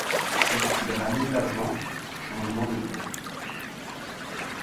Lorsqu'il ramène l'argent, changement de plan.